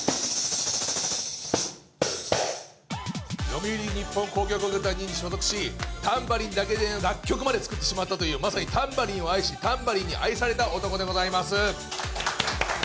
読売日本交響楽団に所属しタンバリンだけで楽曲まで作ってしまったというまさにタンバリンを愛しタンバリンに愛された男でございます。